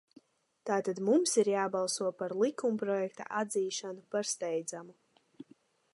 Tātad mums ir jābalso par likumprojekta atzīšanu par steidzamu.